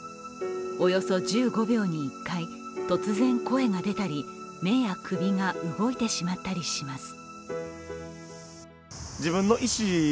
およそ１５秒に１回、突然声が出たり目や首が動いてしまったりします。